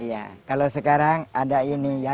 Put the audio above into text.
iya kalau sekarang ada ini ya